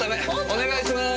お願いしまーす！